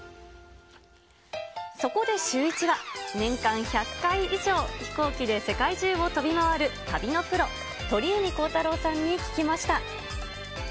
そこでシューイチは、年間１００回以上、飛行機で世界中を飛び回る旅のプロ、鳥海高太朗さんに聞きました。